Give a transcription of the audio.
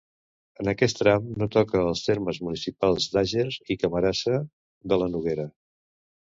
En aquest tram no toca els termes municipals d'Àger i Camarasa, de la Noguera.